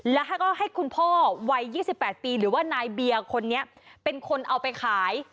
แล้วก็ให้คุณพ่อวัย๒๘ปีหรือว่านายเบียร์คนนี้เป็นคนเอาไปขาย